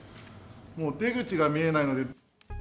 もう出口が見えないので。